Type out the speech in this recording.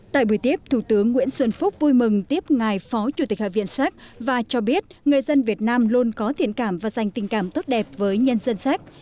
tại buổi tiếp thủ tướng nguyễn xuân phúc vui mừng tiếp ngài phó chủ tịch hạ viện séc và cho biết người dân việt nam luôn có thiện cảm và dành tình cảm tốt đẹp với nhân dân séc